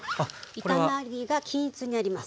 炒まりが均一になります。